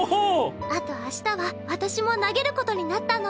あとあしたは私も投げることになったの。